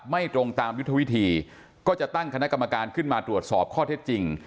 ไม่ตรงตามยุทธวิธีก็จะตั้งคณะกรรมการขึ้นมาตรวจสอบข้อเท็จจริง